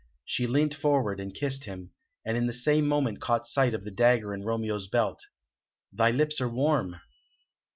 She leant forward and kissed him, and in the same moment caught sight of the dagger in Romeo's belt. "Thy lips are warm."